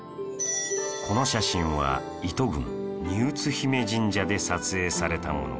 この写真は伊都郡丹生都比売神社で撮影されたもの